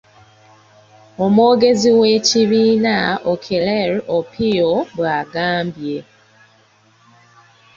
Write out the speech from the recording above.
Omwogezi w'ekibiina Okeler Opio bw'agambye.